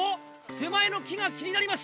手前の木が気になりました。